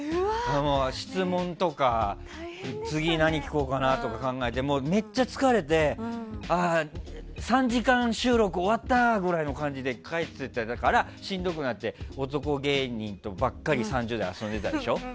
質問とか次、何を聴こうかなとか考えてめっちゃ疲れて３時間収録終わったくらいの感じで帰ってたからしんどくなって男芸人とばっかり３０代遊んでたでしょ。